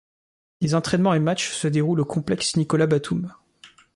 Les entrainements et matchs se déroulent au complexe Nicolas-Batum.